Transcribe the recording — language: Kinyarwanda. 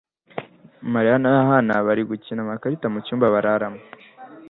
Mariya na Yohana barimo gukina amakarita mu cyumba bararamo.